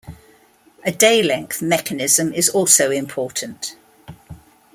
A day-length mechanism is also important.